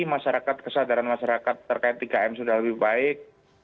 masyarakat kesadaran masyarakat terkait tiga m sudah lebih baik